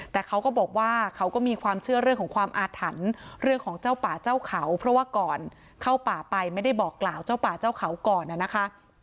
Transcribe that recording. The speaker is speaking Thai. แต่เขาก็บอกว่าเขาก็มีความเชื่อเรื่องของความอาถรรพ์เรื่องของเจ้าป่าเจ้าเขาเพราะว่าก่อนเข้าป่าไปไม่ได้บอกกล่าวเจ้าป่าเจ้าเขาก่อนนะคะ